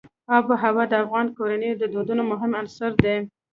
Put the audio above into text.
آب وهوا د افغان کورنیو د دودونو مهم عنصر دی.